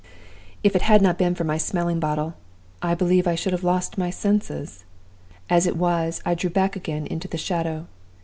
"If it had not been for my smelling bottle, I believe I should have lost my senses. As it was, I drew back again into the shadow.